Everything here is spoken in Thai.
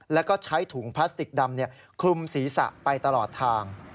แล้วก็ใช้ถุงพลาสติกดำคลุมศีรษะไปตลอดทาง